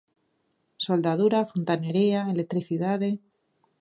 Soldadura, fontanería, electricidade...